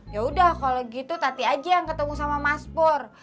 yaudah kalau gitu tati aja yang ketemu sama mas pur